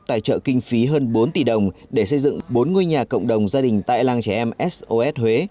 tài trợ kinh phí hơn bốn tỷ đồng để xây dựng bốn ngôi nhà cộng đồng gia đình tại làng trẻ em sos huế